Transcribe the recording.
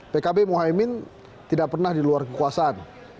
pkb mohaimin tidak pernah di luar kekuasaan